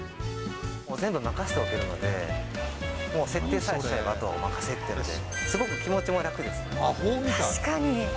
全部任せておけるので、もう設定さえすれば、あとはお任せということで、すごく気持ちも確かに。